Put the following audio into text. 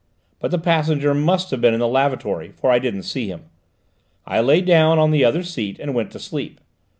But the passenger must have been in the lavatory, for I didn't see him. I lay down on the other seat and went to sleep.